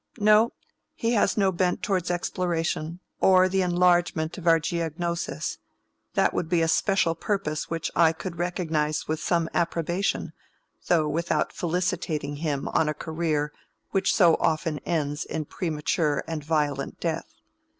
"No, he has no bent towards exploration, or the enlargement of our geognosis: that would be a special purpose which I could recognize with some approbation, though without felicitating him on a career which so often ends in premature and violent death.